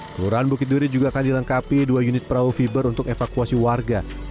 kelurahan bukit duri juga akan dilengkapi dua unit perahu fiber untuk evakuasi warga